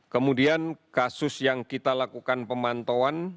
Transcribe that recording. kemudian kasus yang kita lakukan pemantauan